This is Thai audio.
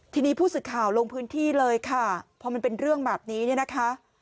ทีนี้ผู้สื่อข่าวลงพื้นที่เลยค่ะพอมันเป็นเรื่องแบบนี้เนี่ยนะคะ